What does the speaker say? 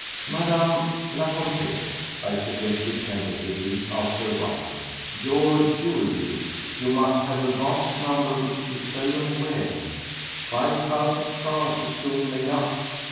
"Madame la Comtesse," I suggested tentatively, after a while, "your jewellery ... you must have a vast number which you seldom wear ... five thousand francs is soon made up.